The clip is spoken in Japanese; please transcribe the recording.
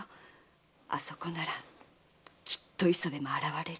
あそこならきっと磯部も現れる！